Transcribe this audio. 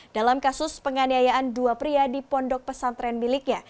dalam kasus penganiayaan dua pria di pondok pesantren miliknya